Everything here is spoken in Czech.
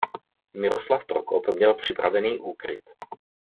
Miroslav Prokop měl připravený úkryt.